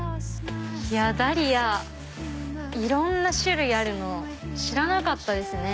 ダリアいろんな種類あるの知らなかったですね。